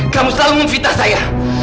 kamu selalu memvita saya